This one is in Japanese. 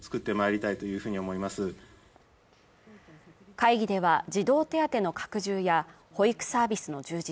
会議では児童手当の拡充や保育サービスの充実